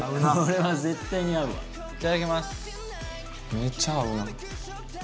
めっちゃ合うな。